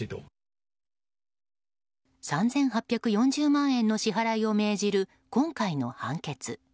３８４０万円の支払いを命じる今回の判決。